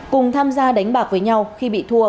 cùng tham gia đánh bạc với nhau khi bị thua